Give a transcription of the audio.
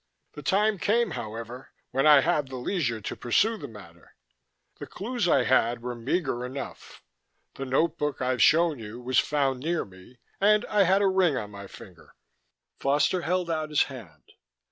The time came, however, when I had the leisure to pursue the matter. The clues I had were meagre enough; the notebook I've shown you was found near me, and I had a ring on my finger." Foster held out his hand.